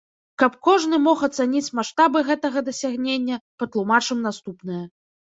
Каб кожны мог ацаніць маштабы гэтага дасягнення, патлумачым наступнае.